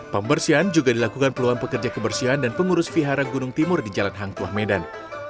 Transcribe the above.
pembersihan juga dilakukan peluang pekerja kebersihan dan pengurus fihara gunung timur di jalan hang tuah medan